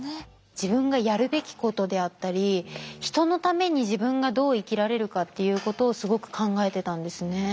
自分がやるべきことであったり人のために自分がどう生きられるかっていうことをすごく考えてたんですね。